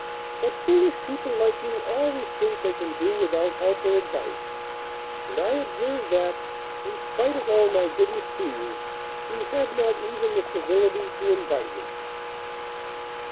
But foolish people like you always think they can do without help or advice, and I observe that, in spite of all my goodness to you, you had not even the civility to invite me!